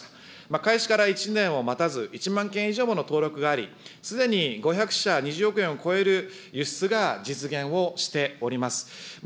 開始から１年を待たず、１万件以上もの登録があり、すでに５００社２億円を超える輸出が実現をしております。